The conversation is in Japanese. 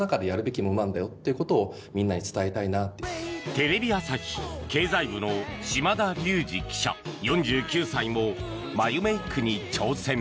テレビ朝日経済部の島田龍二記者、４９歳も眉メイクに挑戦。